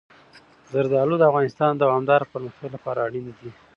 زردالو د افغانستان د دوامداره پرمختګ لپاره اړین دي.